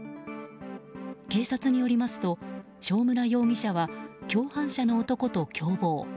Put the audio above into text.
警察によりますと正村容疑者は共犯者の男と共謀。